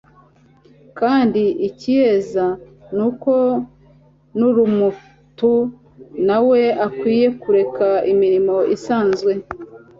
kandi ikayeza, niko n'urumutu na we akwinye kureka imirimo isanzwe,